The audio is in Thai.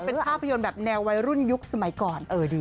เป็นภาพยนตร์แบบแนววัยรุ่นยุคสมัยก่อน